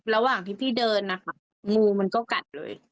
ระหว่างที่พี่เดินนะคะงูมันก็กัดเลย